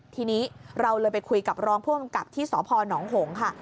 ทีนี้เราเลยไปคุยกับรองผู้กำกับที่สพนหงค่ะ